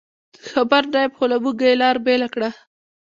خبر نه یم، خو له موږه یې لار بېله کړه.